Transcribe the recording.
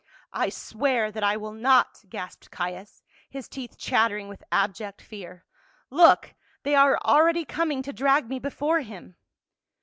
" I swear that I will not," gasped Caius, his teeth chattering with abject fear. " Look, they are already coming to drag me before him